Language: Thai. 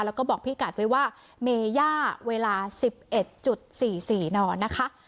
แล้วก็บอกพี่กัดไว้ว่าเมย่าเวลาสิบเอ็ดจุดสี่สี่นอนนะคะ